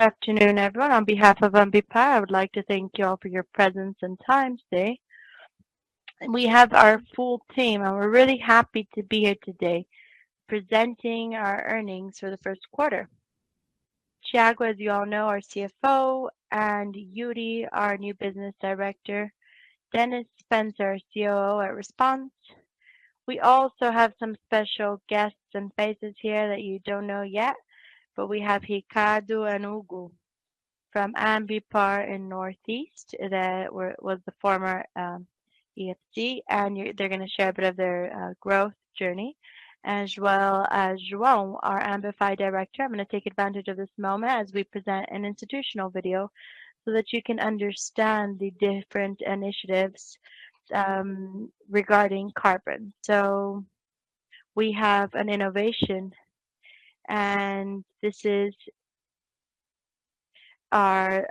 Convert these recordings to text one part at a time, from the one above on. Afternoon, everyone. On behalf of Ambipar, I would like to thank you all for your presence and time today. We have our full team, and we're really happy to be here today presenting our earnings for the first quarter. Thiago, as you all know, our CFO, and Yuri, our new business director, Dennys Spencer, COO at Response. We also have some special guests and faces here that you don't know yet, but we have Ricardo and Hugo from Ambipar in Northeast. They were the former ESG, and they're gonna share a bit of their growth journey, as well as João, our Ambify director. I'm gonna take advantage of this moment as we present an institutional video so that you can understand the different initiatives regarding carbon. We have an innovation, and this is our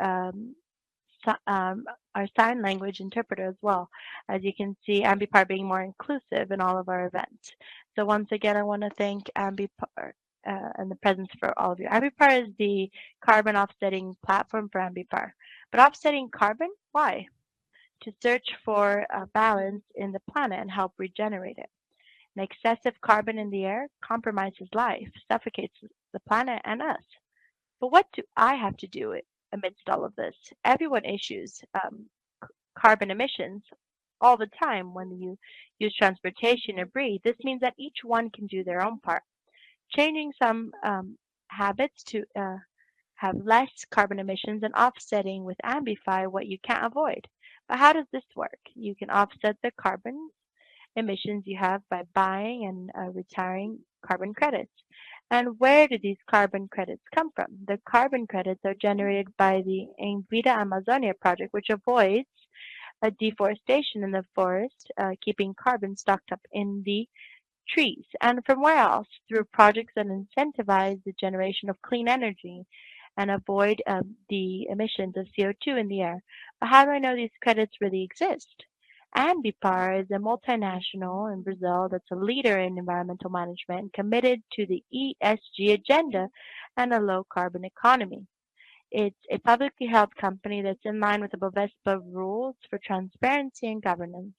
sign language interpreter as well. As you can see, Ambipar being more inclusive in all of our events. Once again, I want to thank Ambipar and the presence for all of you. Ambify is the carbon offsetting platform for Ambipar. Offsetting carbon, why? To search for a balance in the planet and help regenerate it. Excessive carbon in the air compromises life, suffocates the planet and us. What do I have to do amidst all of this? Everyone issues carbon emissions all the time when you use transportation or breathe. This means that each one can do their own part, changing some habits to have less carbon emissions and offsetting with Ambify what you can't avoid. How does this work? You can offset the carbon emissions you have by buying and retiring carbon credits. Where do these carbon credits come from? The carbon credits are generated by the Vida Amazonia project, which avoids a deforestation in the forest, keeping carbon stocked up in the trees. From where else? Through projects that incentivize the generation of clean energy and avoid the emissions of CO2 in the air. How do I know these credits really exist? Ambipar is a multinational in Brazil that's a leader in environmental management committed to the ESG agenda and a low carbon economy. It's a publicly held company that's in line with the Bovespa rules for transparency and governance.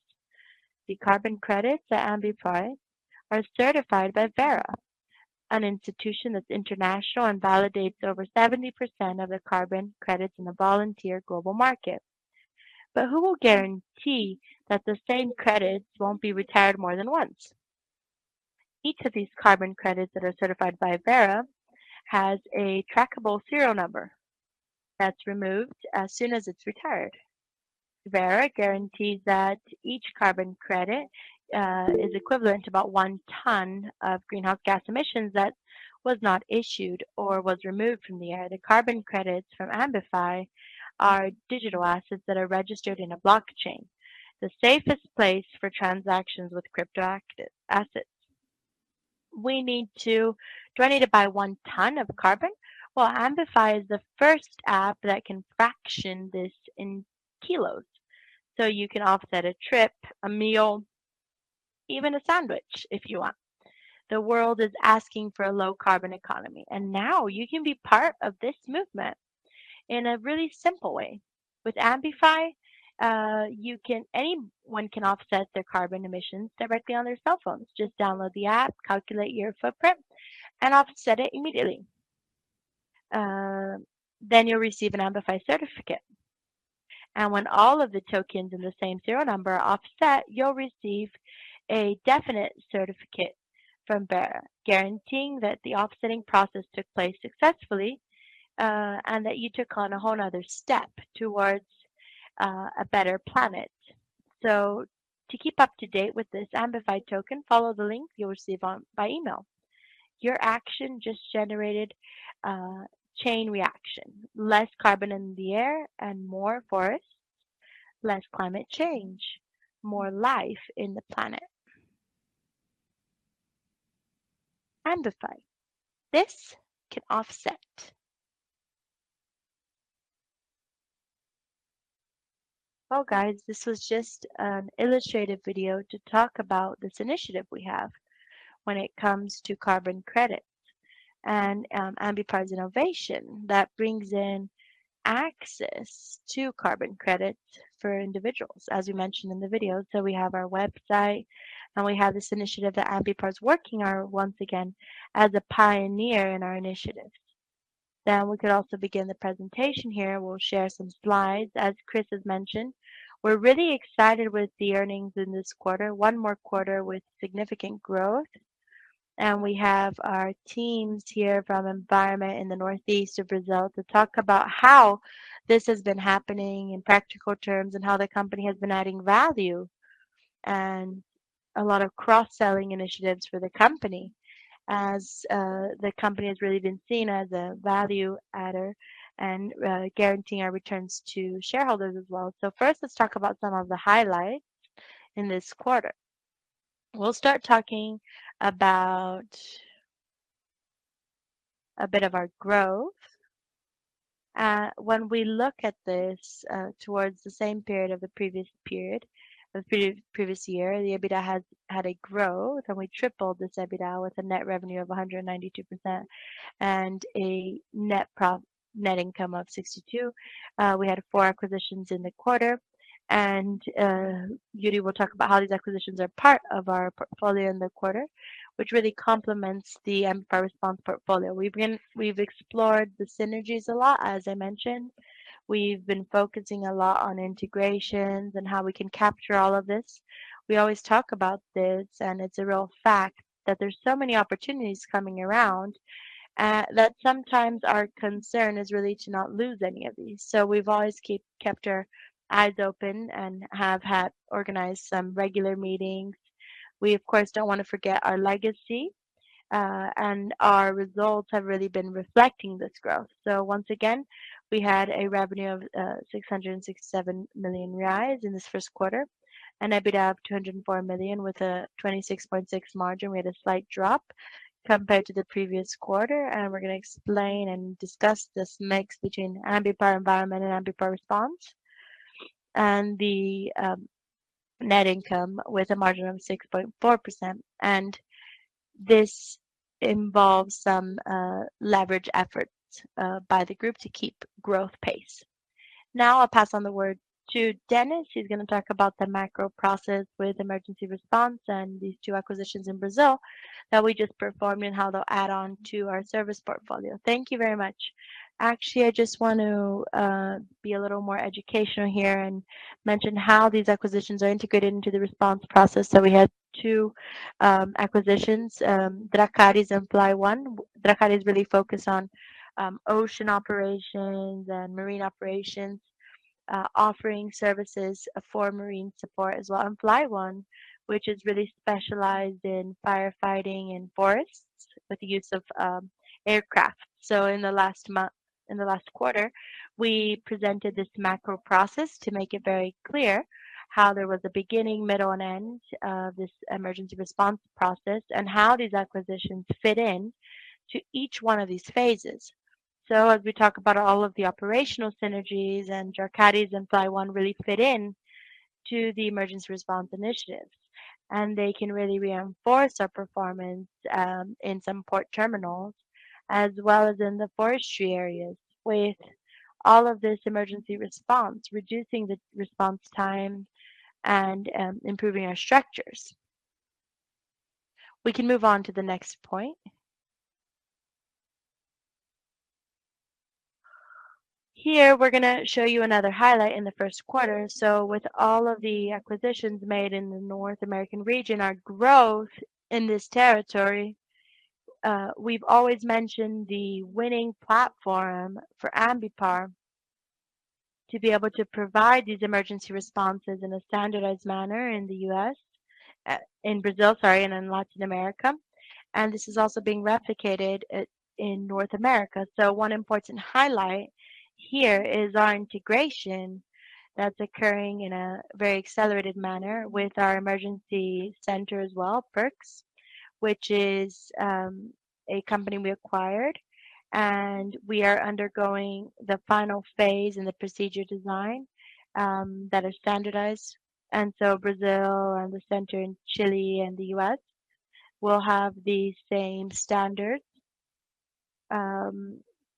The carbon credits at Ambipar are certified by Verra, an institution that's international and validates over 70% of the carbon credits in the voluntary global market. Who will guarantee that the same credits won't be retired more than once? Each of these carbon credits that are certified by Verra has a trackable serial number that's removed as soon as it's retired. Verra guarantees that each carbon credit is equivalent to about one ton of greenhouse gas emissions that was not issued or was removed from the air. The carbon credits from Ambify are digital assets that are registered in a blockchain, the safest place for transactions with crypto assets. Do I need to buy one ton of carbon? Well, Ambify is the first app that can fraction this in kilos. So you can offset a trip, a meal, even a sandwich if you want. The world is asking for a low carbon economy, and now you can be part of this movement in a really simple way. With Ambify, anyone can offset their carbon emissions directly on their cell phones. Just download the app, calculate your footprint, and offset it immediately. You'll receive an Ambify certificate. When all of the tokens in the same serial number are offset, you'll receive a definite certificate from Verra guaranteeing that the offsetting process took place successfully, and that you took on a whole another step towards, a better planet. To keep up to date with this Ambify token, follow the link you'll receive by email. Your action just generated a chain reaction. Less carbon in the air and more forests, less climate change, more life in the planet. Ambify. This can offset. Well, guys, this was just an illustrated video to talk about this initiative we have when it comes to carbon credits and, Ambipar's innovation that brings in access to carbon credits for individuals, as we mentioned in the video. We have our website, and we have this initiative that Ambipar is working on once again as a pioneer in our initiatives. We could also begin the presentation here. We'll share some slides. As Chris has mentioned, we're really excited with the earnings in this quarter, one more quarter with significant growth. We have our teams here from Environment in the northeast of Brazil to talk about how this has been happening in practical terms and how the company has been adding value and a lot of cross-selling initiatives for the company as, the company has really been seen as a value adder and, guaranteeing our returns to shareholders as well. First, let's talk about some of the highlights in this quarter. We'll start talking about a bit of our growth. When we look at this, towards the same period of the previous period, the previous year, the EBITDA has had a growth, and we tripled this EBITDA with a net revenue of 192%. A net income of 62%. We had four acquisitions in the quarter, and Yuri will talk about how these acquisitions are part of our portfolio in the quarter, which really complements the Ambipar Response portfolio. We've explored the synergies a lot, as I mentioned. We've been focusing a lot on integrations and how we can capture all of this. We always talk about this, and it's a real fact that there's so many opportunities coming around, that sometimes our concern is really to not lose any of these. We've always kept our eyes open and have had organized some regular meeting. We of course don't want to forget our legacy, and our results have really been reflecting this growth. Once again, we had a revenue of 667 million reais in this first quarter, an EBITDA of 204 million with a 26.6% margin. We had a slight drop compared to the previous quarter. We're gonna explain and discuss this mix between Ambipar Environment and Ambipar Response and the net income with a margin of 6.4%. This involves some leverage efforts by the group to keep growth pace. Now, I'll pass on the word to Dennys, who's gonna talk about the M&A process with Ambipar Response and these two acquisitions in Brazil that we just performed and how they'll add on to our service portfolio. Thank you very much. Actually, I just want to be a little more educational here and mention how these acquisitions are integrated into the Response process. We had two acquisitions, Dracare and FlyOne. Dracare really focus on ocean operations and marine operations, offering services for marine support as well. FlyOne, which is really specialized in firefighting and forests with the use of aircraft. In the last quarter, we presented this macro process to make it very clear how there was a beginning, middle, and end of this emergency response process and how these acquisitions fit in to each one of these phases. As we talk about all of the operational synergies and Dracare and FlyOne really fit in to the emergency response initiatives, and they can really reinforce our performance in some port terminals as well as in the forestry areas with all of this emergency response, reducing the response time and improving our structures. We can move on to the next point. Here, we're gonna show you another highlight in the first quarter. With all of the acquisitions made in the North American region, our growth in this territory, we've always mentioned the winning platform for Ambipar to be able to provide these emergency responses in a standardized manner in the U.S., in Brazil, sorry, and in Latin America. This is also being replicated in North America. One important highlight here is our integration that's occurring in a very accelerated manner with our emergency center as well, PERS, which is a company we acquired, and we are undergoing the final phase in the procedure design that is standardized. Brazil and the center in Chile and the U.S. will have the same standards.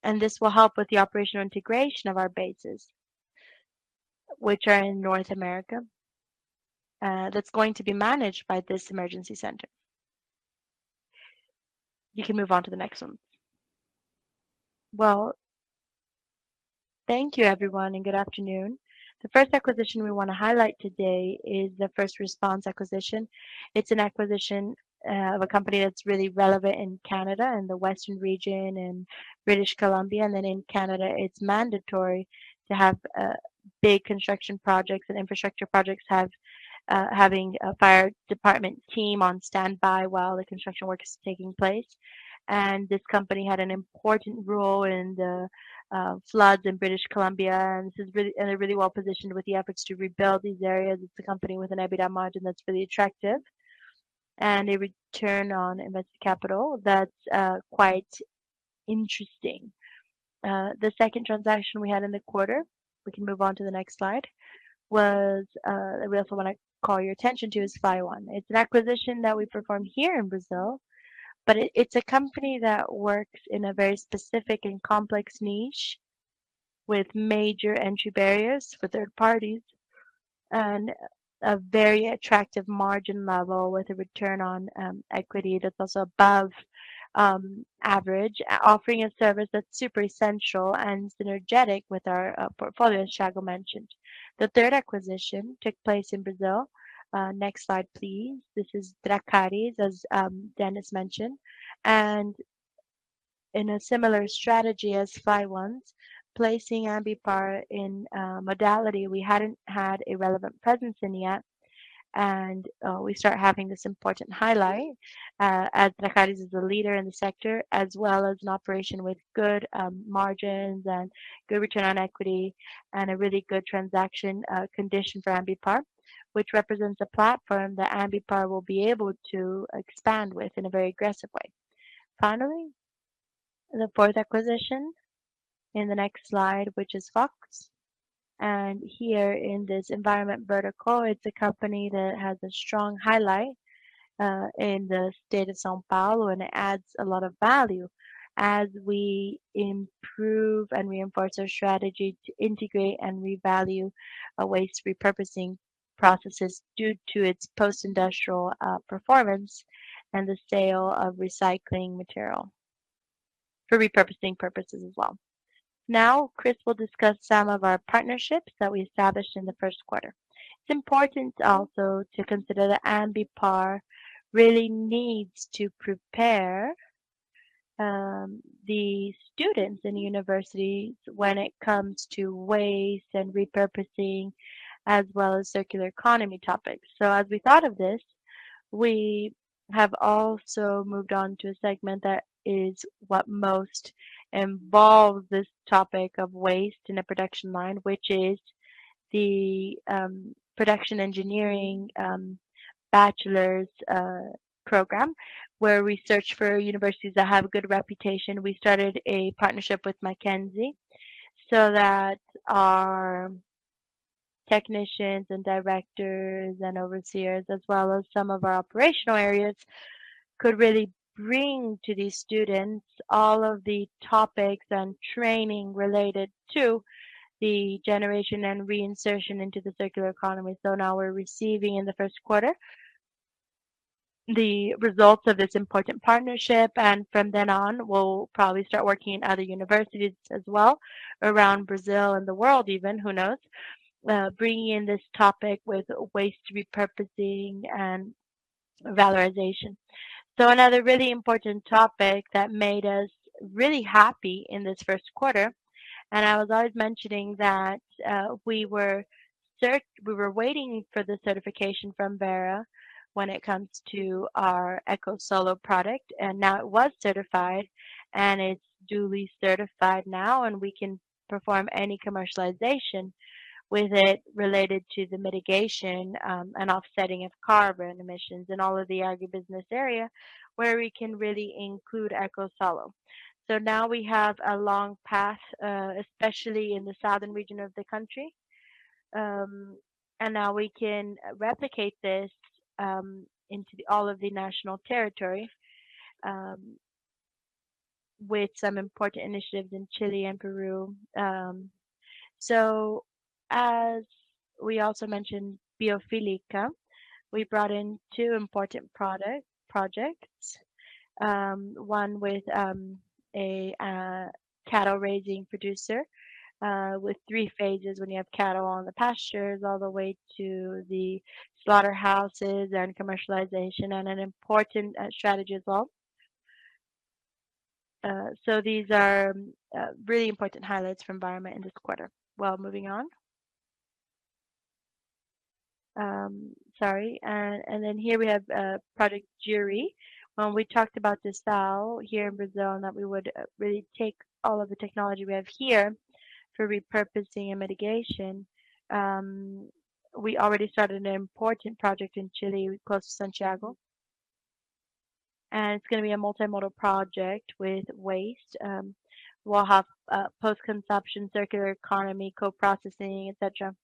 This will help with the operational integration of our bases, which are in North America. That's going to be managed by this emergency center. You can move on to the next one. Well, thank you everyone, and good afternoon. The first acquisition we wanna highlight today is the First Response acquisition. It's an acquisition of a company that's really relevant in Canada and the western region in British Columbia. In Canada it's mandatory to have big construction projects and infrastructure projects having a fire department team on standby while the construction work is taking place. This company had an important role in the floods in British Columbia, and they're really well positioned with the efforts to rebuild these areas. It's a company with an EBITDA margin that's really attractive and a return on invested capital that's quite interesting. The second transaction we had in the quarter, we can move on to the next slide, was we also wanna call your attention to is FlyOne. It's an acquisition that we performed here in Brazil, but it's a company that works in a very specific and complex niche with major entry barriers for third parties and a very attractive margin level with a return on equity that's also above average, offering a service that's super essential and synergetic with our portfolio, as Thiago mentioned. The third acquisition took place in Brazil. Next slide, please. This is Dracare, as Dennys mentioned. In a similar strategy as FlyOne's, placing Ambipar in a modality we hadn't had a relevant presence in yet. We start having this important highlight, as Dracare is a leader in the sector as well as an operation with good margins and good return on equity and a really good transaction condition for Ambipar, which represents a platform that Ambipar will be able to expand with in a very aggressive way. Finally, the fourth acquisition. In the next slide, which is Fox. Here in this environmental vertical, it's a company that has a strong highlight in the state of São Paulo, and it adds a lot of value as we improve and reinforce our strategy to integrate and revalue a waste repurposing processes due to its post-industrial performance and the sale of recycling material for repurposing purposes as well. Now, Chris will discuss some of our partnerships that we established in the first quarter. It's important also to consider that Ambipar really needs to prepare the students in universities when it comes to waste and repurposing as well as circular economy topics. As we thought of this, we have also moved on to a segment that is what most involves this topic of waste in a production line, which is the production engineering bachelor's program, where we search for universities that have a good reputation. We started a partnership with Mackenzie so that our technicians and directors and overseers, as well as some of our operational areas, could really bring to these students all of the topics and training related to the generation and reinsertion into the circular economy. Now we're receiving in the first quarter the results of this important partnership, and from then on, we'll probably start working in other universities as well around Brazil and the world even, who knows, bringing in this topic with waste repurposing and valorization. Another really important topic that made us really happy in this first quarter, and I was always mentioning that, we were waiting for the certification from Verra when it comes to our Ecosolo product, and now it was certified, and it's duly certified now, and we can perform any commercialization with it related to the mitigation, and offsetting of carbon emissions in all of the agribusiness area where we can really include Ecosolo. Now we have a long path, especially in the southern region of the country, and now we can replicate this into all of the national territory, with some important initiatives in Chile and Peru. As we also mentioned BioFílica, we brought in two important projects, one with a cattle raising producer, with three phases when you have cattle on the pastures all the way to the slaughterhouses and commercialization and an important strategy as well. These are really important highlights for Environment in this quarter. Moving on. Here we have Project Jari. When we talked about this style here in Brazil and that we would really take all of the technology we have here for repurposing and mitigation, we already started an important project in Chile close to Santiago. It's gonna be a multimodal project with waste. We'll have post-consumption, circular economy, co-processing, et cetera.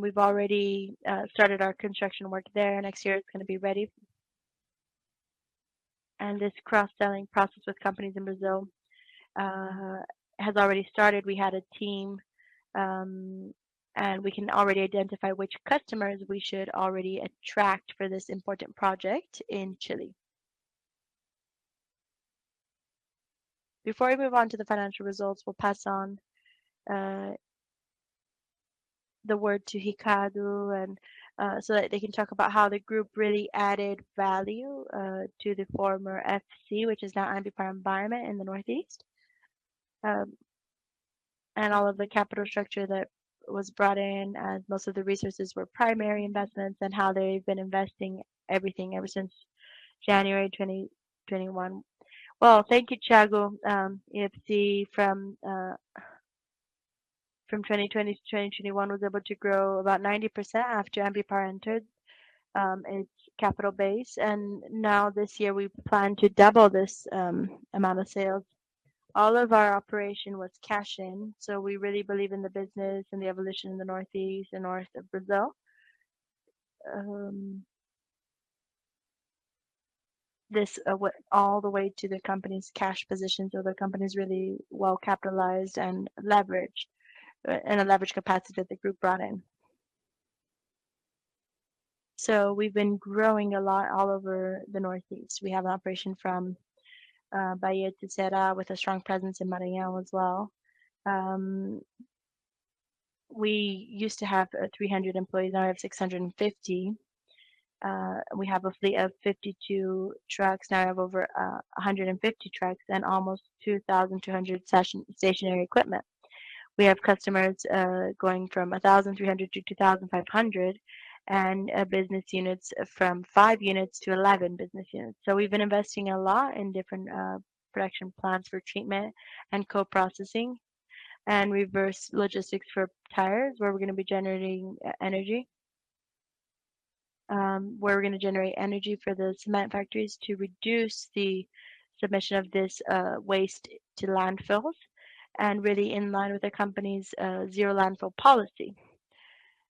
We've already started our construction work there. Next year it's gonna be ready. This cross-selling process with companies in Brazil has already started. We had a team, and we can already identify which customers we should already attract for this important project in Chile. Before I move on to the financial results, we'll pass on the word to Ricardo and so that they can talk about how the group really added value to the former First Call, which is now Ambipar Environment in the Northeast. All of the capital structure that was brought in, and most of the resources were primary investments and how they've been investing everything ever since January 2021. Thank you, Thiago. First Call from 2020 to 2021 was able to grow about 90% after Ambipar entered its capital base. Now this year we plan to double this amount of sales. All of our operation was cash-in, so we really believe in the business and the evolution in the Northeast and north of Brazil. This went all the way to the company's cash position, so the company's really well-capitalized and leveraged in a leverage capacity that the group brought in. We've been growing a lot all over the Northeast. We have operation from Bahia to Ceará with a strong presence in Maranhão as well. We used to have 300 employees, now we have 650. We have a fleet of 52 trucks. Now we have over 150 trucks and almost 2,200 stationary equipment. We have customers going from 1,300 to 2,500 and business units from 5 units to 11 business units. We've been investing a lot in different production plants for treatment and co-processing and reverse logistics for tires, where we're going to generate energy for the cement factories to reduce the submission of this waste to landfills and really in line with the company's zero landfill policy.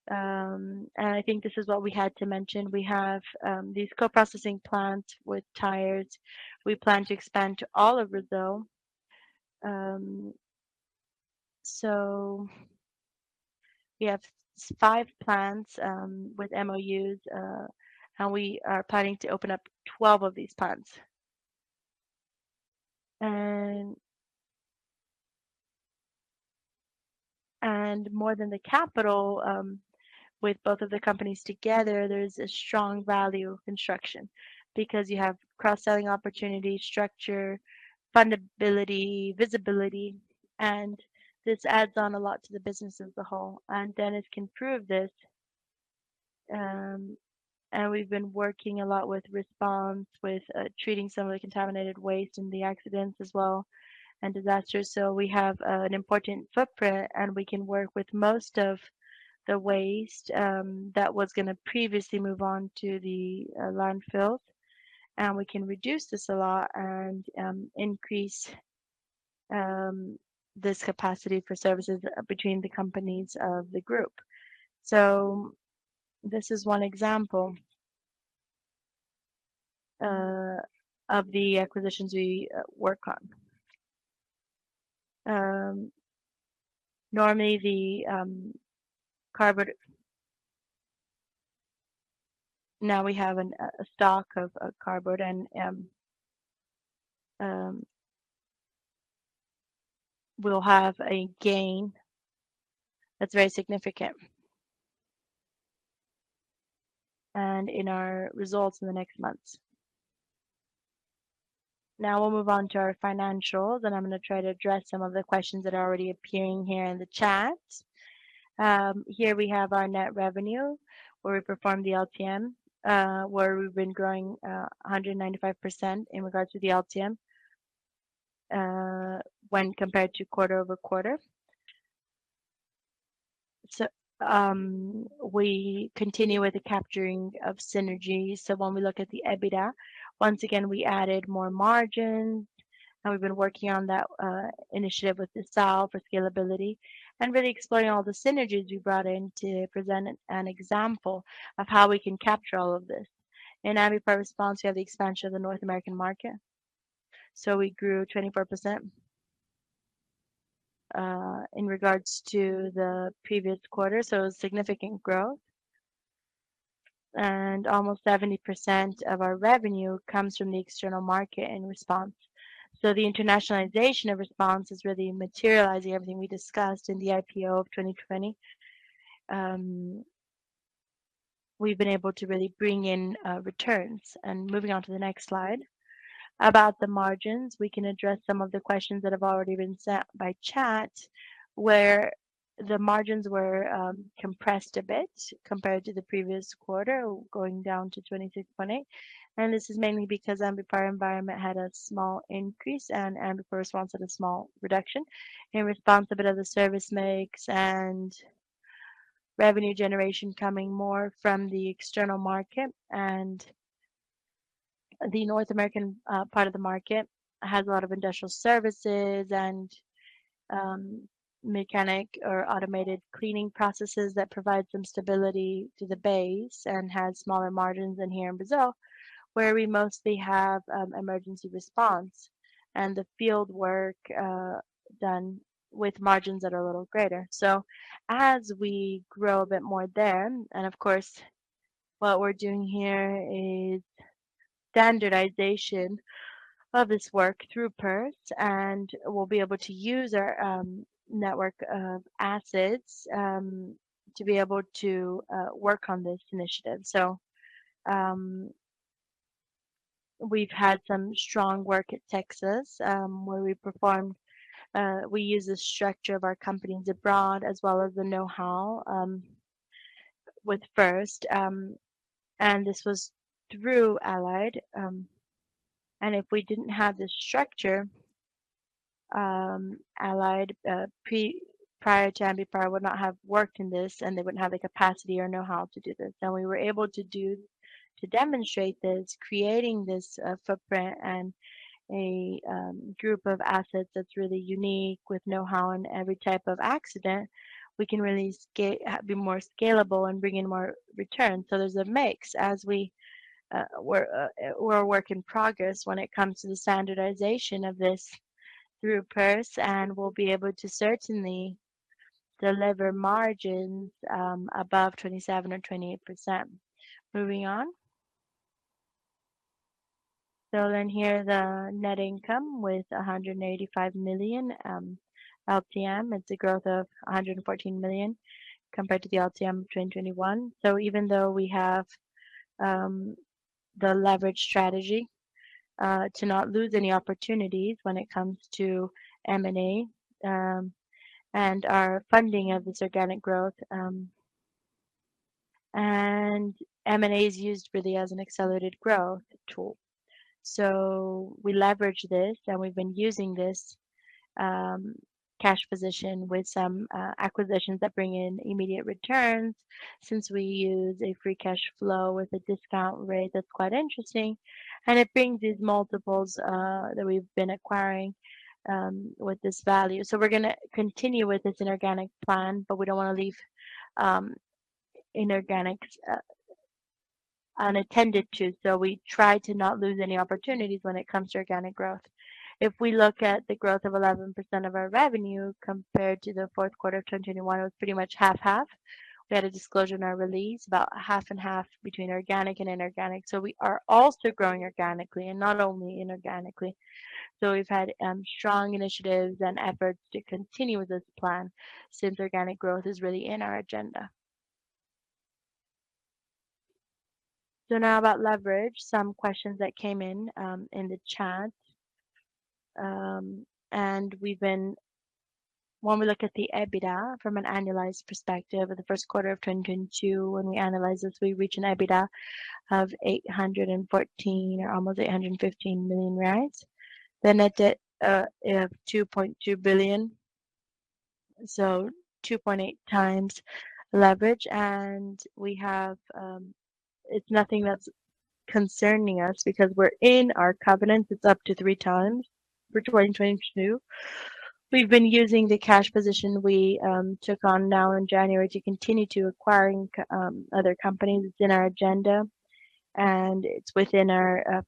I think this is what we had to mention. We have these co-processing plants with tires. We plan to expand to all of Brazil. We have five plants with MOUs, and we are planning to open up 12 of these plants. More than the capital, with both of the companies together, there's a strong value construction because you have cross-selling opportunities, structure, fundability, visibility, and this adds on a lot to the business as a whole. Dennys can prove this. We've been working a lot with Response, with treating some of the contaminated waste and the accidents as well and disasters. We have an important footprint and we can work with most of the waste that was going to previously move on to the landfills. We can reduce this a lot and increase this capacity for services between the companies of the group. This is one example of the acquisitions we work on. Normally the carbon. Now we have a stock of carbon and we'll have a gain that's very significant and in our results in the next months. Now we'll move on to our financials, and I'm going to try to address some of the questions that are already appearing here in the chat. Here we have our net revenue where we performed the LTM where we've been growing 195% in regards to the LTM when compared to QoQ. We continue with the capturing of synergies. When we look at the EBITDA, once again, we added more margin, and we've been working on that initiative with Esau for scalability and really exploring all the synergies we brought in to present an example of how we can capture all of this. In Ambipar Response, we have the expansion of the North American market. We grew 24% in regards to the previous quarter. Significant growth. Almost 70% of our revenue comes from the external market in response. The internationalization of Response is really materializing everything we discussed in the IPO of 2020. We've been able to really bring in returns. Moving on to the next slide. About the margins, we can address some of the questions that have already been sent by chat, where the margins were compressed a bit compared to the previous quarter, going down to 26.8%. This is mainly because Ambipar Environment had a small increase and Ambipar Response had a small reduction. In Response, a bit of the service mix and revenue generation coming more from the external market. The North American part of the market has a lot of industrial services and mechanic or automated cleaning processes that provide some stability to the base and has smaller margins than here in Brazil, where we mostly have emergency response and the field work done with margins that are a little greater. As we grow a bit more there, and of course, what we're doing here is standardization of this work through PERS, and we'll be able to use our network of assets to be able to work on this initiative. We've had some strong work at Texas, where we used the structure of our companies abroad as well as the know-how with First, and this was through Allied. If we didn't have this structure, Allied prior to Ambipar would not have worked in this and they wouldn't have the capacity or know-how to do this. We were able to do, to demonstrate this, creating this, footprint and a, group of assets that's really unique with know-how in every type of accident, we can really be more scalable and bring in more return. There's a mix as we're a work in progress when it comes to the standardization of this through PERS, and we'll be able to certainly deliver margins above 27% or 28%. Moving on. Here the net income with 185 million LTM. It's a growth of 114 million compared to the LTM of 2021. Even though we have the leverage strategy to not lose any opportunities when it comes to M&A, and our funding of this organic growth. M&A is used really as an accelerated growth tool. We leverage this, and we've been using this cash position with some acquisitions that bring in immediate returns since we use a free cash flow with a discount rate that's quite interesting, and it brings these multiples that we've been acquiring with this value. We're gonna continue with this inorganic plan, but we don't wanna leave inorganic unattended to. We try to not lose any opportunities when it comes to organic growth. If we look at the growth of 11% of our revenue compared to the fourth quarter of 2021, it was pretty much half-half. We had a disclosure in our release about half and half between organic and inorganic. We are also growing organically and not only inorganically. We've had strong initiatives and efforts to continue with this plan since organic growth is really in our agenda. Now about leverage, some questions that came in in the chat. When we look at the EBITDA from an annualized perspective of the first quarter of 2022, when we analyze this, we reach an EBITDA of 814 million or almost BRL 815 million, right? The net debt of 2.2 billion, so 2.8x leverage. It's nothing that's concerning us because we're in our covenant. It's up to 3x for 2022. We've been using the cash position we took on now in January to continue acquiring other companies. It's in our agenda, and it's within our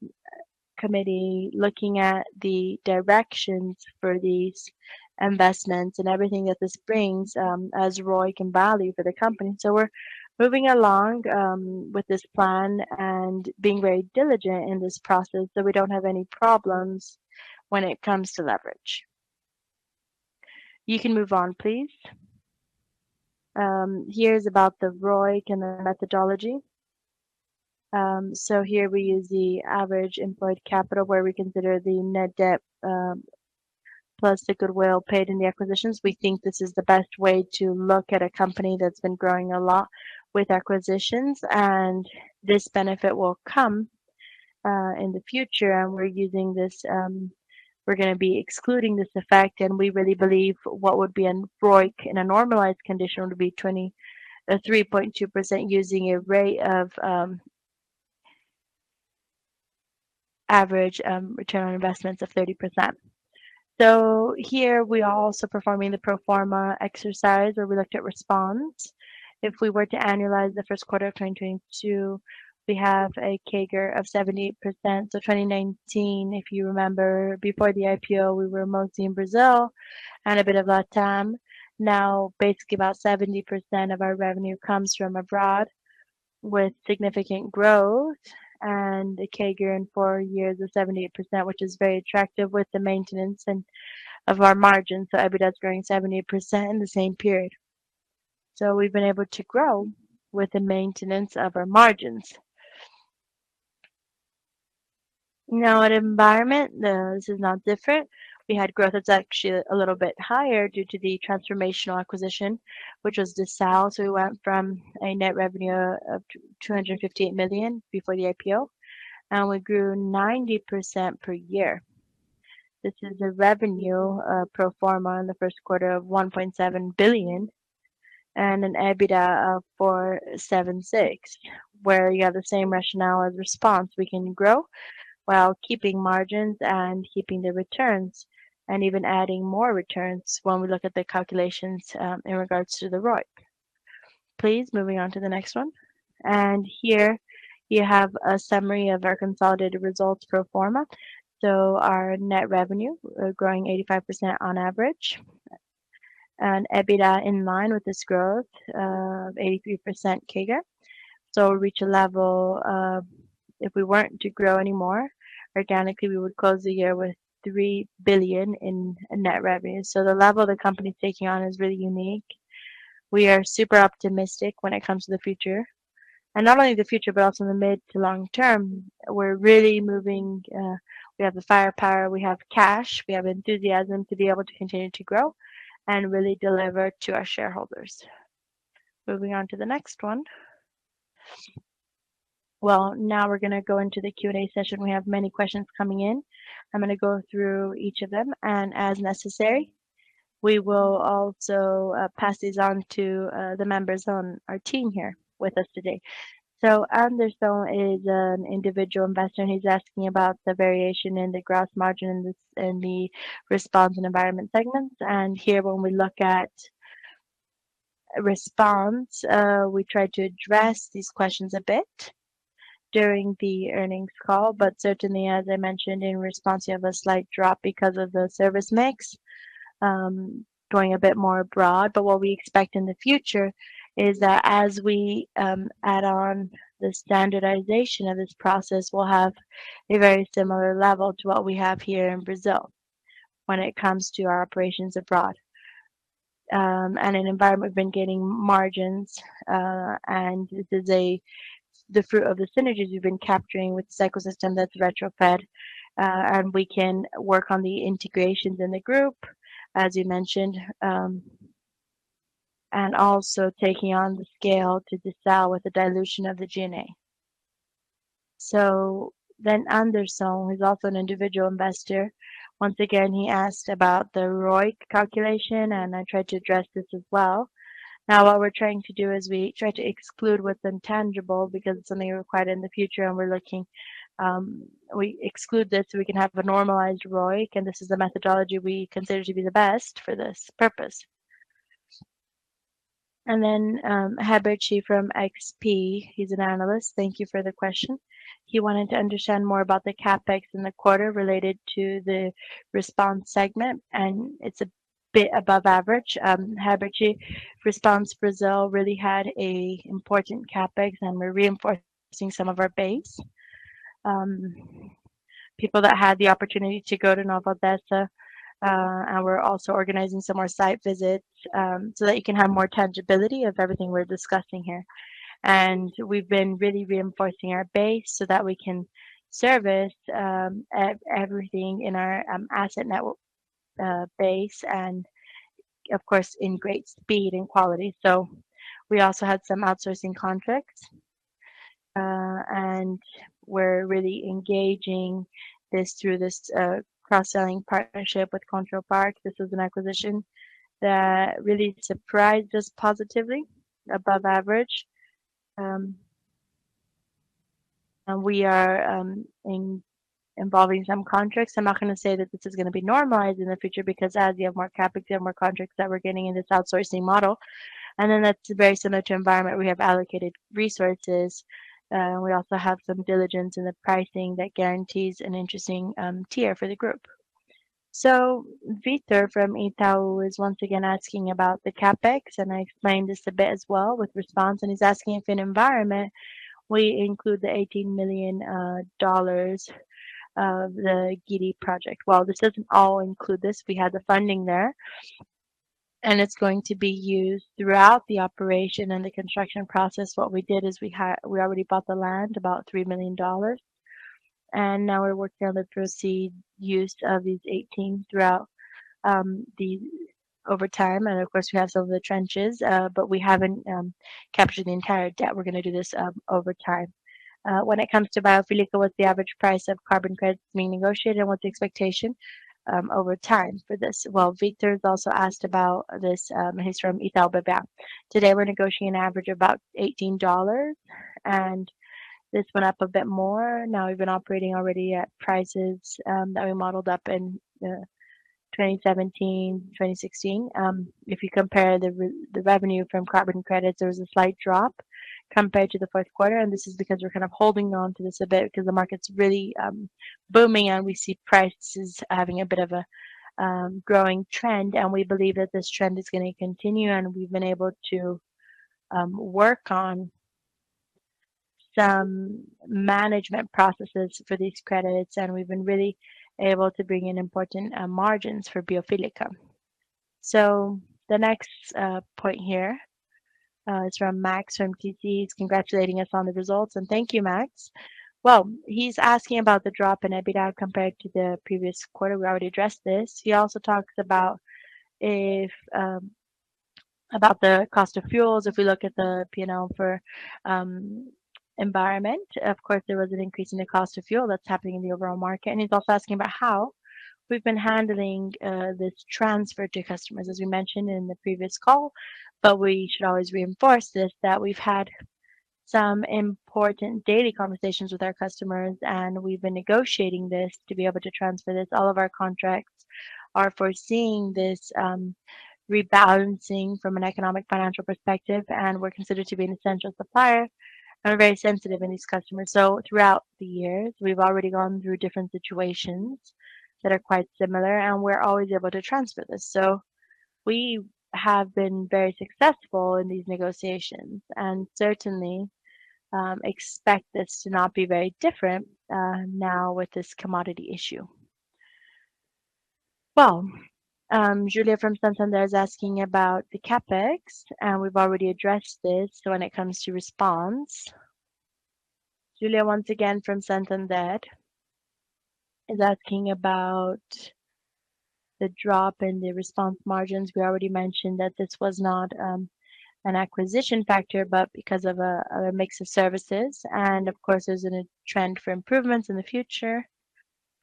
committee looking at the directions for these investments and everything that this brings as ROIC and value for the company. We're moving along with this plan and being very diligent in this process, so we don't have any problems when it comes to leverage. You can move on, please. Here's about the ROIC and the methodology. Here we use the average employed capital, where we consider the net debt plus the goodwill paid in the acquisitions. We think this is the best way to look at a company that's been growing a lot with acquisitions, and this benefit will come in the future. We're using this. We're gonna be excluding this effect, and we really believe what would be in ROIC in a normalized condition would be 20. 3.2% using a rate of average return on investments of 30%. Here we are also performing the pro forma exercise where we looked at Response. If we were to annualize the first quarter of 2022, we have a CAGR of 78%. 2019, if you remember, before the IPO, we were mostly in Brazil and a bit of LATAM. Now basically about 70% of our revenue comes from abroad with significant growth. The CAGR in four years is 78%, which is very attractive with the maintenance of our margins. EBITDA is growing 78% in the same period. We've been able to grow with the maintenance of our margins. Now in Environment, this is not different. We had growth that's actually a little bit higher due to the transformational acquisition, which was the sales. We went from a net revenue of 215 million before the IPO, and we grew 90% per year. This is a revenue pro forma in the first quarter of 1.7 billion and an EBITDA of 476 million, where you have the same rationale as Response. We can grow while keeping margins and keeping the returns and even adding more returns when we look at the calculations in regards to the ROIC. Please, moving on to the next one. Here you have a summary of our consolidated results pro forma. Our net revenue growing 85% on average, and EBITDA in line with this growth of 83% CAGR. We reach a level of... If we weren't to grow anymore, organically, we would close the year with 3 billion in net revenue. The level the company is taking on is really unique. We are super optimistic when it comes to the future, and not only the future, but also in the mid to long term. We're really moving. We have the firepower, we have cash, we have enthusiasm to be able to continue to grow and really deliver to our shareholders. Moving on to the next one. Well, now we're gonna go into the Q&A session. We have many questions coming in. I'm gonna go through each of them, and as necessary, we will also pass these on to the members on our team here with us today. Anderson is an individual investor, and he's asking about the variation in the gross margin in the Response and Environment segments. Here when we look at Response, we tried to address these questions a bit during the earnings call. Certainly, as I mentioned in Response, you have a slight drop because of the service mix, going a bit more abroad. What we expect in the future is that as we add on the standardization of this process, we'll have a very similar level to what we have here in Brazil when it comes to our operations abroad. In Environment, we've been getting margins, and this is the fruit of the synergies we've been capturing with the ecosystem that's retrofitted, and we can work on the integrations in the group, as you mentioned, and also taking on the scale to Disal with the dilution of the G&A. Anderson, who's also an individual investor, once again, he asked about the ROIC calculation, and I tried to address this as well. Now what we're trying to do is we try to exclude what's intangible because it's something required in the future and we're looking, we exclude this so we can have a normalized ROIC, and this is the methodology we consider to be the best for this purpose. Herbert Srougi from XP, he's an analyst. Thank you for the question. He wanted to understand more about the CapEx in the quarter related to the Response segment, and it's a bit above average. Herbert Srougi, Response Brazil really had an important CapEx, and we're reinforcing some of our base. People that had the opportunity to go to Nova Odessa, and we're also organizing some more site visits, so that you can have more tangibility of everything we're discussing here. We've been really reinforcing our base so that we can service everything in our asset network, base and of course, in great speed and quality. We also had some outsourcing contracts, and we're really engaging this through this cross-selling partnership with ControlPar. This was an acquisition that really surprised us positively above average. We are involving some contracts. I'm not gonna say that this is gonna be normalized in the future because as we have more CapEx, we have more contracts that we're getting in this outsourcing model. That's very similar to Environment. We have allocated resources. We also have some diligence in the pricing that guarantees an interesting tier for the group. Victor from Itaú is once again asking about the CapEx, and I explained this a bit as well with Response. He's asking if in Environment we include the $18 million of the GIRI project. Well, this doesn't all include this. We have the funding there, and it's going to be used throughout the operation and the construction process. What we did is we had... We already bought the land, about $3 million, and now we're working on the previous use of these 18 throughout over time. Of course, we have some of the tranches, but we haven't captured the entire debt. We're gonna do this over time. When it comes to BioFílica, what's the average price of carbon credits being negotiated and what's the expectation over time for this? Well, Victor has also asked about this, and he's from Itaú BBA. Today, we're negotiating an average of about $18, and this went up a bit more. Now we've been operating already at prices that we modeled up in 2017, 2016. If you compare the revenue from carbon credits, there was a slight drop compared to the fourth quarter, and this is because we're kind of holding on to this a bit because the market's really booming, and we see prices having a bit of a growing trend. We believe that this trend is gonna continue, and we've been able to work on some management processes for these credits, and we've been really able to bring in important margins for BioFílica. The next point here is from Max from TC. He's congratulating us on the results, and thank you, Max. He's asking about the drop in EBITDA compared to the previous quarter. We already addressed this. He also talks about the cost of fuels, if we look at the P&L for Environment. Of course, there was an increase in the cost of fuel that's happening in the overall market. He's also asking about how we've been handling this transfer to customers, as we mentioned in the previous call. We should always reinforce this, that we've had some important daily conversations with our customers, and we've been negotiating this to be able to transfer this. All of our contracts are foreseeing this rebalancing from an economic financial perspective, and we're considered to be an essential supplier and are very sensitive in these customers. Throughout the years, we've already gone through different situations that are quite similar, and we're always able to transfer this. We have been very successful in these negotiations and certainly expect this to not be very different now with this commodity issue. Well, Julia from Santander is asking about the CapEx, and we've already addressed this when it comes to Response. Julia, once again from Santander, is asking about the drop in the Response margins. We already mentioned that this was not an acquisition factor, but because of a mix of services. Of course, there's a trend for improvements in the future.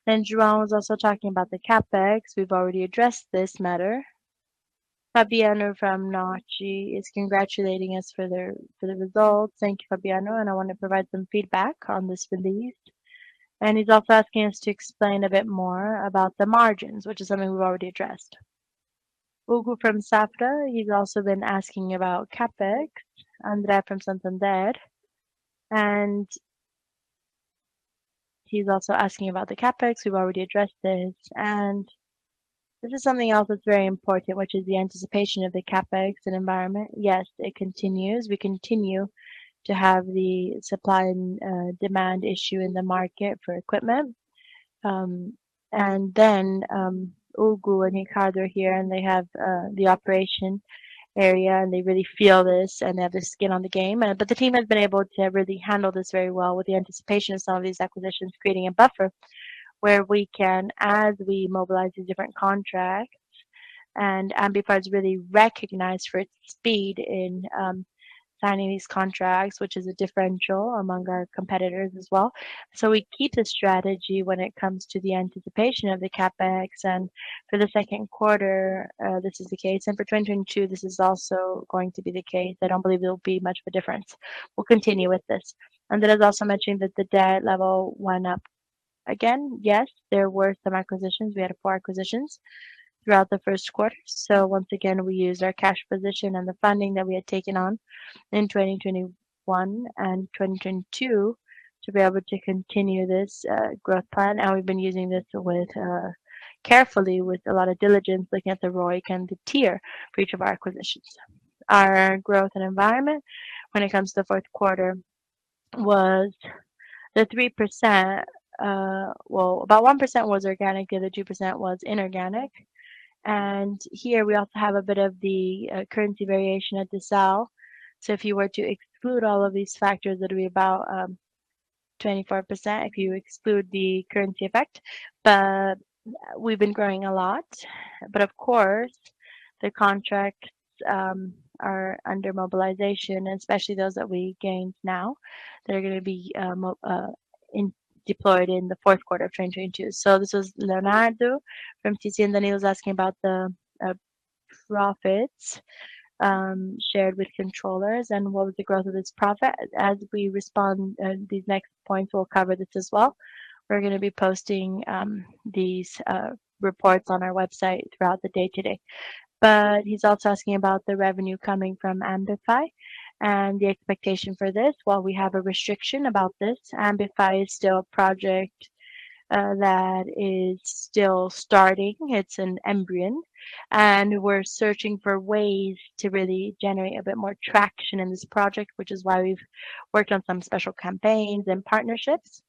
João was also talking about the CapEx. We've already addressed this matter. Fabiano from Necton is congratulating us for the results. Thank you, Fabiano, and I want to provide some feedback on this release. He's also asking us to explain a bit more about the margins, which is something we've already addressed. Hugo from Safra, he's also been asking about CapEx. Andre from Santander, he's also asking about the CapEx. We've already addressed this. This is something else that's very important, which is the anticipation of the CapEx and Environment. Yes, it continues. We continue to have the supply and demand issue in the market for equipment. Hugo and Ricardo are here, and they have the operations area, and they really feel this, and they have the skin in the game. The team has been able to really handle this very well with the anticipation of some of these acquisitions creating a buffer. Where we can, as we mobilize the different contracts, and Ambipar is really recognized for its speed in signing these contracts, which is a differential among our competitors as well. We keep the strategy when it comes to the anticipation of the CapEx. For the second quarter, this is the case. For 2022, this is also going to be the case. I don't believe there'll be much of a difference. We'll continue with this. Andre also mentioned that the debt level went up again. Yes, there were some acquisitions. We had four acquisitions throughout the first quarter. Once again, we used our cash position and the funding that we had taken on in 2021 and 2022 to be able to continue this growth plan. Now, we've been using this carefully with a lot of diligence, looking at the ROIC and the TIR for each of our acquisitions. Our growth in Environment when it comes to the fourth quarter was 3%. Well, about 1% was organic, and the 2% was inorganic. Here we also have a bit of the currency variation as well. If you were to exclude all of these factors, that'd be about 24% if you exclude the currency effect. We've been growing a lot. Of course, the contracts are under mobilization, and especially those that we gained now, that are going to be mobilized in the fourth quarter of 2022. This was Leonardo from TC, and then he was asking about the profits shared with controllers and what was the growth of this profit. As we respond, these next points will cover this as well. We're going to be posting these reports on our website throughout the day today. He's also asking about the revenue coming from Ambify and the expectation for this. While we have a restriction about this, Ambify is still a project that is still starting. It's an embryo, and we're searching for ways to really generate a bit more traction in this project, which is why we've worked on some special campaigns and partnerships.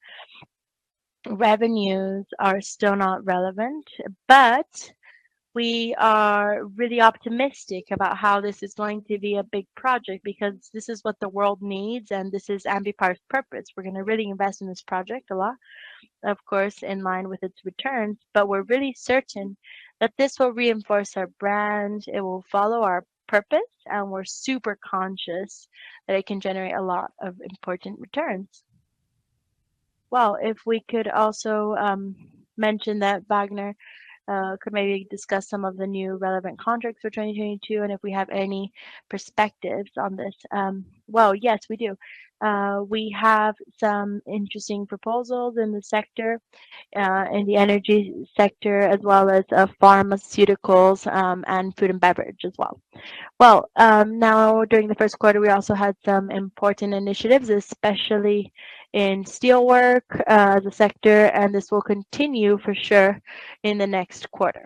Revenues are still not relevant, but we are really optimistic about how this is going to be a big project because this is what the world needs, and this is Ambipar's purpose. We're going to really invest in this project a lot, of course, in line with its returns. We're really certain that this will reinforce our brand, it will follow our purpose, and we're super conscious that it can generate a lot of important returns. Well, if we could also mention that Vagner could maybe discuss some of the new relevant contracts for 2022 and if we have any perspectives on this. Well, yes, we do. We have some interesting proposals in the sector, in the energy sector, as well as, pharmaceuticals, and food and beverage as well. Now during the first quarter, we also had some important initiatives, especially in steelwork, the sector, and this will continue for sure in the next quarter.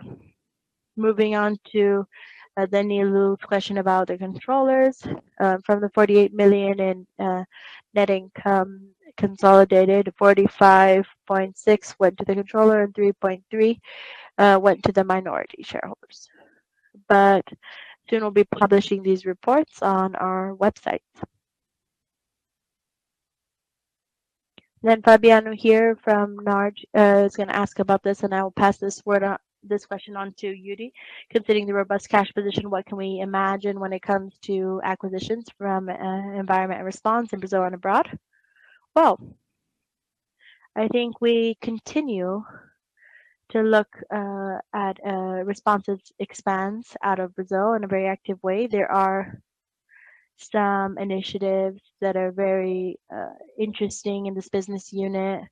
Moving on to Danilo's question about the controllers. From the 48 million in net income consolidated, 45.6 million went to the controller and 3.3 million went to the minority shareholders. Jurandir will be publishing these reports on our website. Fabiano here from Naxentia is going to ask about this, and I will pass this question on to Yuri Gualberto. Considering the robust cash position, what can we imagine when it comes to acquisitions from Environment and Response in Brazil and abroad? Well, I think we continue to look at a responsive expansion out of Brazil in a very active way. There are some initiatives that are very interesting in this business unit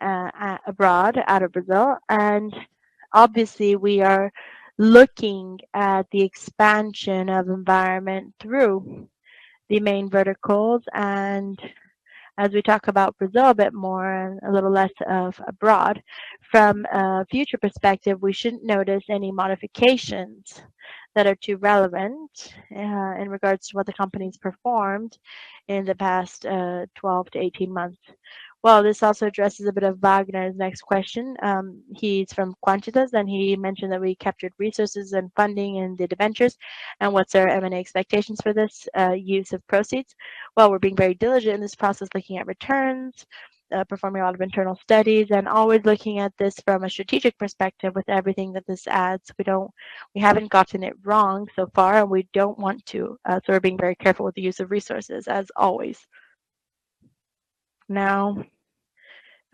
abroad, out of Brazil. Obviously, we are looking at the expansion of Environment through the main verticals. As we talk about Brazil a bit more and a little less of abroad, from a future perspective, we shouldn't notice any modifications that are too relevant in regards to what the company's performed in the past 12-18 months. Well, this also addresses a bit of Vagner's next question. He's from Quantitas, and he mentioned that we captured resources and funding in the debentures, and what's our M&A expectations for this use of proceeds. Well, we're being very diligent in this process, looking at returns, performing a lot of internal studies, and always looking at this from a strategic perspective with everything that this adds. We haven't gotten it wrong so far, and we don't want to, so we're being very careful with the use of resources as always. Now,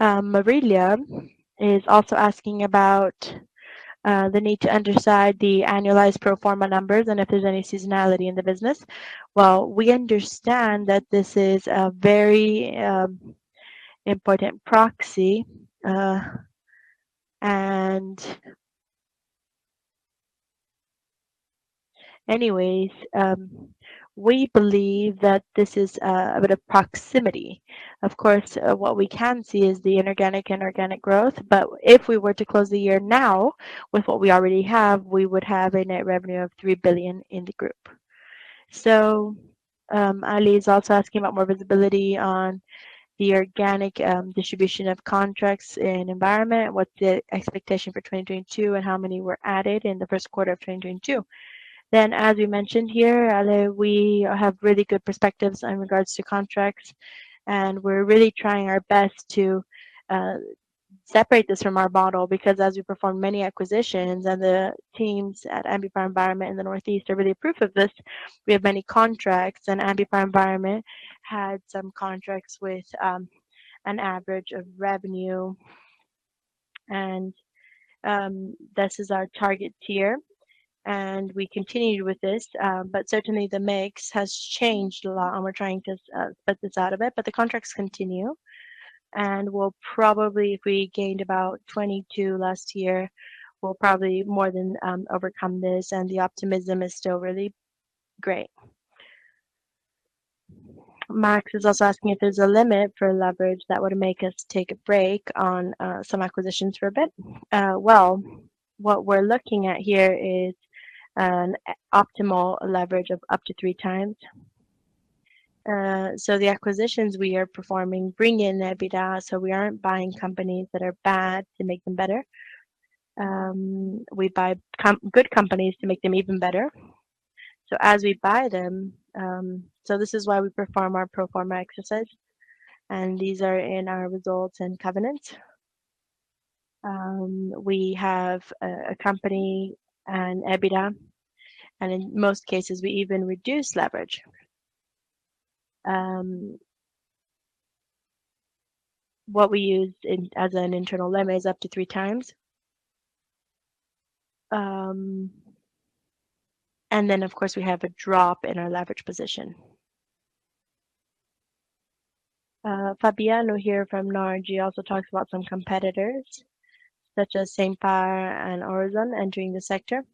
Marília is also asking about the need to understand the annualized pro forma numbers and if there's any seasonality in the business. Well, we understand that this is a very important proxy. Anyways, we believe that this is a bit approximate. Of course, what we can see is the inorganic and organic growth. If we were to close the year now with what we already have, we would have a net revenue of 3 billion in the group. Ale is also asking about more visibility on the organic distribution of contracts in Environment, what the expectation for 2022, and how many were added in the first quarter of 2022. As we mentioned here, Ale, we have really good perspectives in regards to contracts, and we're really trying our best to separate this from our model, because as we perform many acquisitions and the teams at Ambipar Environment in the Northeast are really proof of this, we have many contracts, and Ambipar Environment had some contracts with an average of revenue, and this is our target tier, and we continue with this. But certainly the mix has changed a lot, and we're trying to separate this out of it, but the contracts continue, and we'll probably. If we gained about 22% last year, we'll probably more than overcome this, and the optimism is still really great. Max is also asking if there's a limit for leverage that would make us take a break on some acquisitions for a bit. Well, what we're looking at here is an optimal leverage of up to 3x. The acquisitions we are performing bring in EBITDA, so we aren't buying companies that are bad to make them better. We buy good companies to make them even better. As we buy them, this is why we perform our pro forma exercise, and these are in our results and covenants. We have a company and EBITDA, and in most cases, we even reduce leverage. What we use as an internal limit is up to 3x. Of course, we have a drop in our leverage position. Fabiano here from Necton, he also talks about some competitors such as Simpar and Aurizon entering the sector.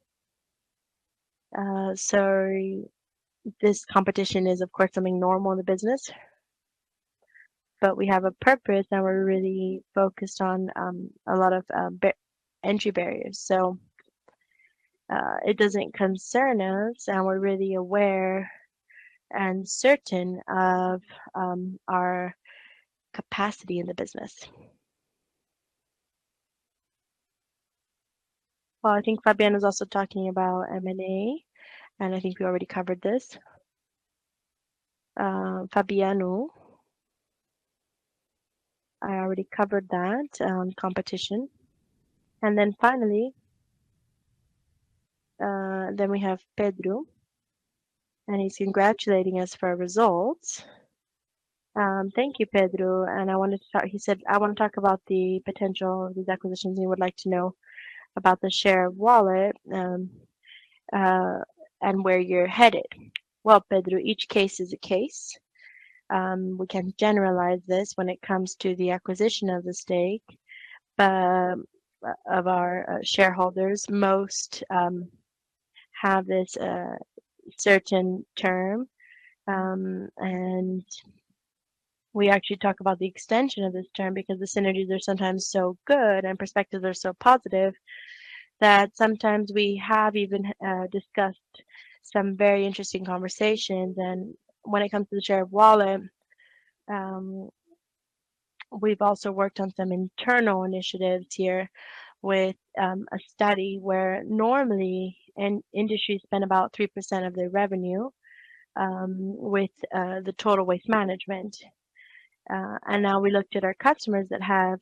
This competition is of course something normal in the business. We have a purpose, and we're really focused on a lot of entry barriers. It doesn't concern us, and we're really aware and certain of our capacity in the business. Well, I think Fabiano is also talking about M&A, and I think we already covered this. Fabiano, I already covered that competition. We have Pedro, and he's congratulating us for our results. Thank you, Pedro. I wanted to talk... He said, "I want to talk about the potential of these acquisitions, and we would like to know about the share of wallet, and where you're headed." Well, Pedro, each case is a case. We can generalize this when it comes to the acquisition of the stake of our shareholders. Most have this certain term. We actually talk about the extension of this term because the synergies are sometimes so good and perspectives are so positive that sometimes we have even discussed some very interesting conversations. When it comes to the share of wallet, we've also worked on some internal initiatives here with a study where normally an industry spend about 3% of their revenue with the total waste management. Now we looked at our customers that have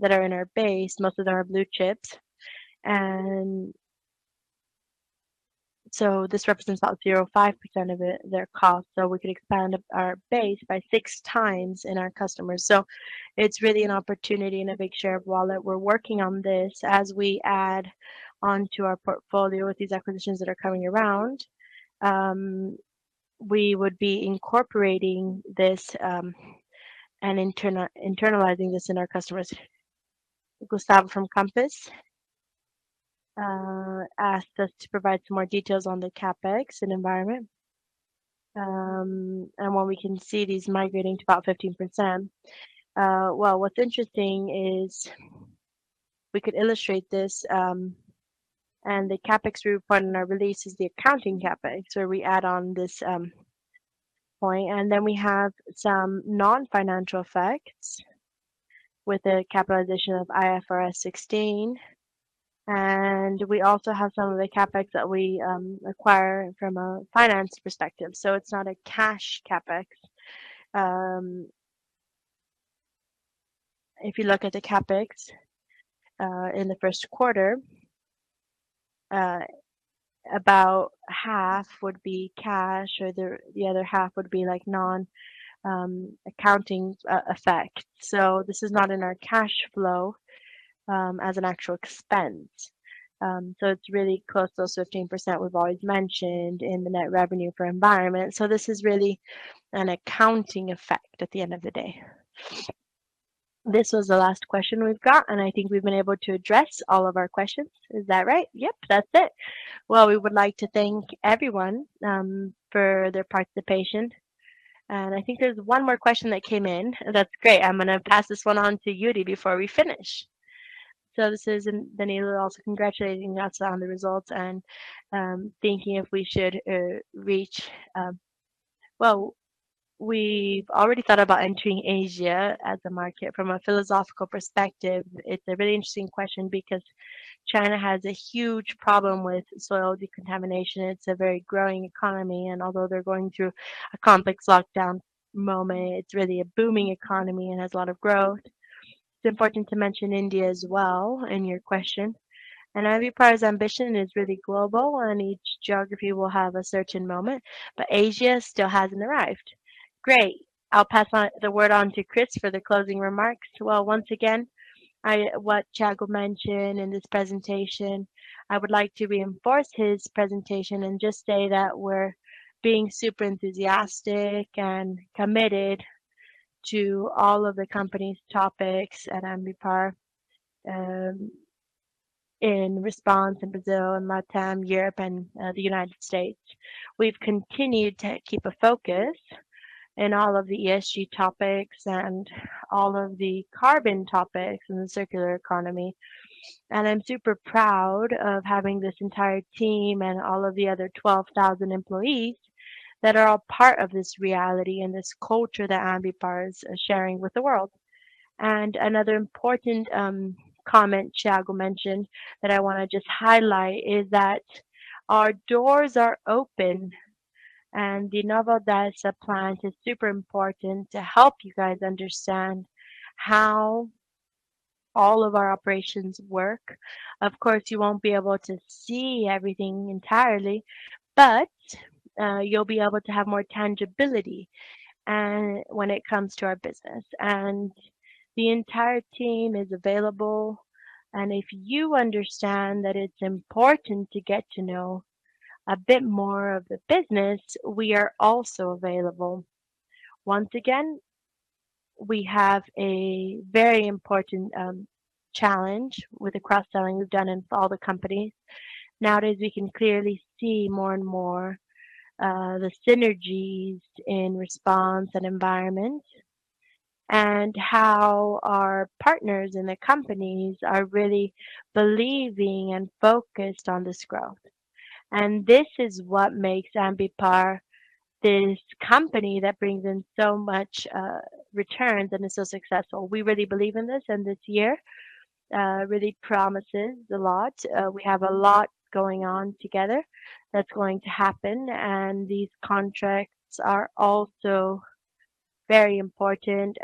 that are in our base, most of them are blue chips. This represents about 0.5% of it, their cost, so we could expand our base by 6x in our customers. It's really an opportunity and a big share of wallet. We're working on this. As we add onto our portfolio with these acquisitions that are coming around, we would be incorporating this and internalizing this in our customers. Gustavo from Compass asked us to provide some more details on the CapEx in Environment. What we can see, this migrating to about 15%. Well, what's interesting is we could illustrate this, and the CapEx we report in our release is the accounting CapEx, where we add on this point, and then we have some non-financial effects with the capitalization of IFRS 16. We also have some of the CapEx that we acquire from a finance perspective. It's not a cash CapEx. If you look at the CapEx in the first quarter, about half would be cash, or the other half would be like non-accounting effect. This is not in our cash flow as an actual expense. It's really close to those 15% we've always mentioned in the net revenue for Environment. This is really an accounting effect at the end of the day. This was the last question we've got, and I think we've been able to address all of our questions. Is that right? Yep, that's it. Well, we would like to thank everyone for their participation. I think there's one more question that came in. That's great. I'm gonna pass this one on to Yuri before we finish. This is Danilo also congratulating us on the results and thinking if we should reach. Well, we've already thought about entering Asia as a market. From a philosophical perspective, it's a really interesting question because China has a huge problem with soil decontamination. It's a very growing economy, and although they're going through a complex lockdown moment, it's really a booming economy and has a lot of growth. It's important to mention India as well in your question. Ambipar's ambition is really global, and each geography will have a certain moment, but Asia still hasn't arrived. Great. I'll pass the word on to Chris for the closing remarks. Well, once again, what Thiago mentioned in his presentation, I would like to reinforce his presentation and just say that we're being super enthusiastic and committed to all of the company's topics at Ambipar, in Response in Brazil, LatAm, Europe and, the United States. We've continued to keep a focus in all of the ESG topics and all of the carbon topics in the circular economy. I'm super proud of having this entire team and all of the other 12,000 employees that are all part of this reality and this culture that Ambipar is sharing with the world. Another important comment Thiago mentioned that I wanna just highlight is that our doors are open, and the Nova Odessa plant is super important to help you guys understand how all of our operations work. Of course, you won't be able to see everything entirely, but you'll be able to have more tangibility and when it comes to our business. The entire team is available, and if you understand that it's important to get to know a bit more of the business, we are also available. Once again, we have a very important challenge with the cross-selling we've done in all the companies. Nowadays, we can clearly see more and more the synergies in Response and Environment and how our partners in the companies are really believing and focused on this growth. This is what makes Ambipar this company that brings in so much returns and is so successful. We really believe in this, and this year really promises a lot. We have a lot going on together that's going to happen, and these contracts are also very important.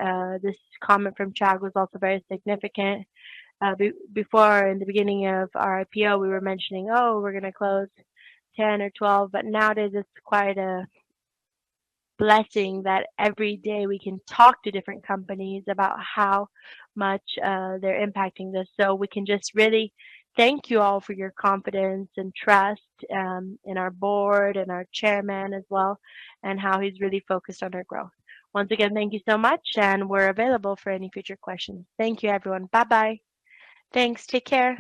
This comment from Thiago was also very significant. Before, in the beginning of our IPO, we were mentioning, "Oh, we're gonna close 10 or 12," but nowadays it's quite a blessing that every day we can talk to different companies about how much they're impacting this. We can just really thank you all for your confidence and trust in our board and our chairman as well and how he's really focused on our growth. Once again, thank you so much, and we're available for any future questions. Thank you, everyone. Bye-bye. Thanks. Take care.